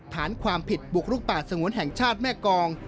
ฐานความผิดบุกลุกป่าสงวนแห่งชาติแม่กอง